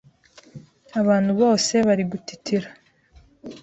abantu bose bari gutitira